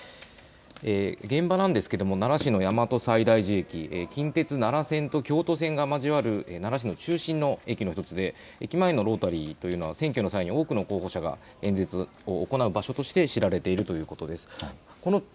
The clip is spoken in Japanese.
現場なんですが奈良市の大和西大寺駅近鉄奈良線と京都線が交わる奈良市の中心の駅の１つで駅前のロータリーというのは選挙の際に多くの候補者が演説を行う場所として知られているということです。